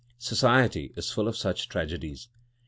Society is full of such tragedies.